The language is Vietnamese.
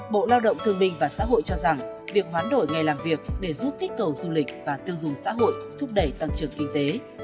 bộ lao động thương minh và xã hội cho rằng việc hoán đổi ngày làm việc để giúp kích cầu du lịch và tiêu dùng xã hội thúc đẩy tăng trưởng kinh tế